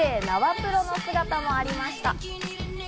プロの姿もありました。